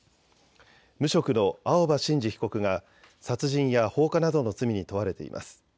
無職の青葉真司被告が殺人や放火などの罪に問われています。